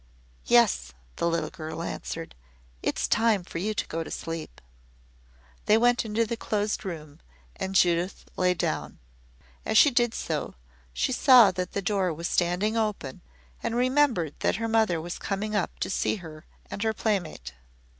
"Yes," the little girl answered. "It's time for you to go to sleep." They went into the Closed Room and Judith lay down. As she did so, she saw that the door was standing open and remembered that her mother was coming up to see her and her playmate.